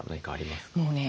もうね